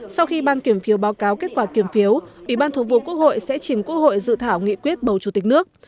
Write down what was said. sau khi ban kiểm phiếu báo cáo kết quả kiểm phiếu ủy ban thường vụ quốc hội sẽ chỉnh quốc hội dự thảo nghị quyết bầu chủ tịch nước